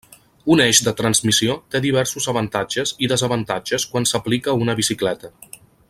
Un eix de transmissió té diversos avantatges i desavantatges quan s'aplica a una bicicleta.